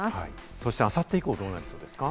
そしてあさって以降はどうなりそうですか？